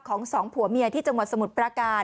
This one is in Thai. สองผัวเมียที่จังหวัดสมุทรประการ